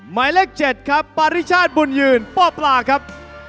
หมายเลข๗ครับปาริชาติบุญยืนป้อปลาครับ